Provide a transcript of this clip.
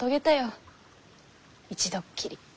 一度っきり。